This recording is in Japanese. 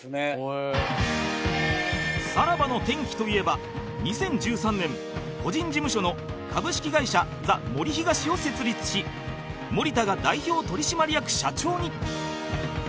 さらばの転機といえば２０１３年個人事務所の株式会社ザ・森東を設立し森田が代表取締役社長に